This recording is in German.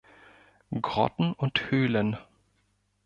Grotten und Höhlen